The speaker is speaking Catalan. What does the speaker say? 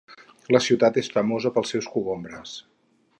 La ciutat és famosa pels seus cogombres.